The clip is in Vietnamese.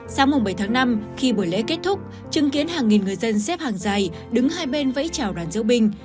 sau mùng bảy tháng năm khi buổi lễ kết thúc chứng kiến hàng nghìn người dân xếp hàng giày đứng hai bên vẫy chào đoàn diễu binh